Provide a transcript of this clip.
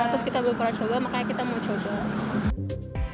terus kita belum pernah coba makanya kita mau coba